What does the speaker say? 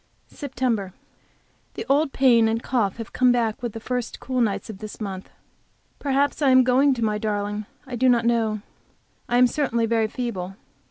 SEPT. The old pain and cough have come back with the first cool nights of this month. Perhaps I am going to my darling I do not know I am certainly very feeble.